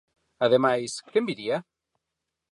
Ademais, quen viría?